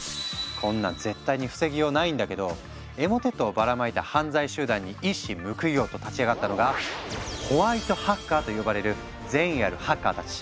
こんなん絶対に防ぎようないんだけどエモテットをばらまいた犯罪集団に一矢報いようと立ち上がったのが「ホワイトハッカー」と呼ばれる善意あるハッカーたち。